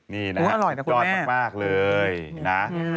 นี่นะจอดมากเลยนะ